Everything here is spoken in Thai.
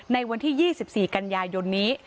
ในวันที่๒๔กันยายนนี้